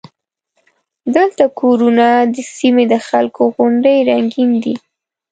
دلته کورونه د سیمې د خلکو غوندې رنګین دي.